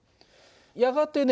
やがてね